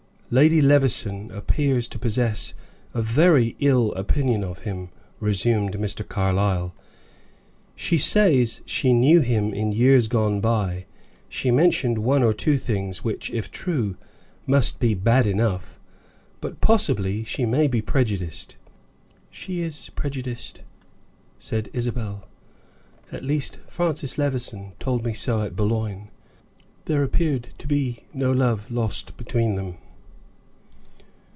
"Lady Levison appears to possess a very ill opinion of him," resumed Mr. Carlyle. "She says she knew him in years gone by. She mentioned one or two things which, if true, must be bad enough. But possibly she may be prejudiced." "She is prejudiced," said Isabel. "At least Francis Levison told me at Boulogne. There appeared to be no love lost between them."